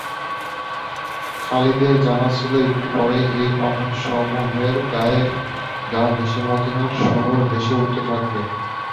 খালিদের জানা ছিল একটু পরেই এই পাহাড়সমূহের গা ঘেঁষে মদীনার শহর ভেসে উঠতে থাকবে।